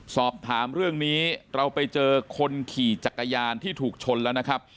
สอบถามเรื่องนี้เราไปเจอคนขี่จักรยานที่ถูกชนแล้วนะครับ